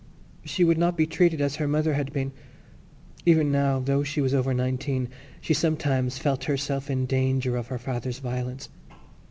She would not be treated as her mother had been. Even now, though she was over nineteen, she sometimes felt herself in danger of her father's violence.